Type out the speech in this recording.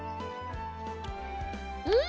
うん！